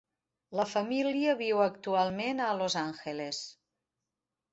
La família viu actualment a Los Angeles.